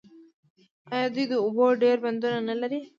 آیا دوی د اوبو ډیر بندونه نلري؟